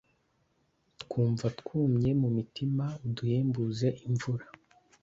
Twumva twumye mu mitima uduhembuze imvura